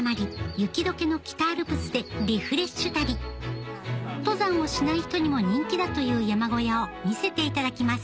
雪解けの北アルプスでリフレッシュ旅登山をしない人にも人気だという山小屋を見せていただきます